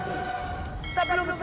aku tidak akan pernah berhenti